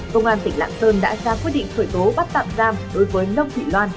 công an tỉnh lạng sơn đã ra quyết định khởi tố bắt tạm giam đối với nông thị loan